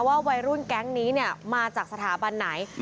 ว่าวัยรุ่นแก๊งนี้มาจากสถาบันไหน